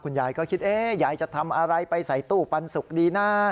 ยายก็คิดยายจะทำอะไรไปใส่ตู้ปันสุกดีนะ